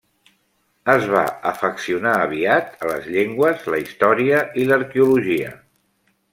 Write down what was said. Es va afeccionar aviat a les llengües, la història i l'arqueologia.